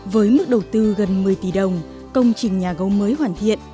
với mức đầu tư gần một mươi tỷ đồng công trình nhà gấu mới hoàn thiện